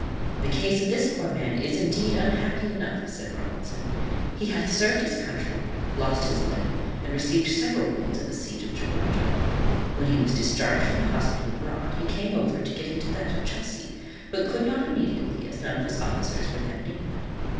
"The case of this poor man is, indeed, unhappy enough," said Robinson. "He hath served his country, lost his limb, and received several wounds at the siege of Gibraltar. When he was discharged from the hospital abroad he came over to get into that of Chelsea, but could not immediately, as none of his officers were then in England.